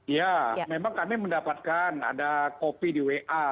ya memang kami mendapatkan ada kopi di wa